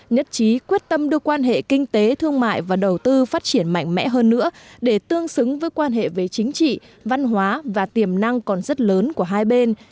nhất trí quyết tâm đưa quan hệ kinh tế thương mại và đầu tư phát triển mạnh mẽ hơn nữa để tương xứng với quan hệ về chính trị văn hóa và tiềm năng còn rất lớn của hai bên